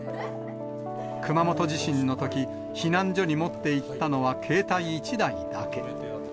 熊本地震のとき、避難所に持っていったのは、携帯１台だけ。